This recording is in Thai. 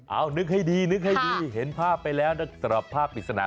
เอานึกให้ดีเห็นภาพไปแล้วแต่ตลอดภาพปริศนา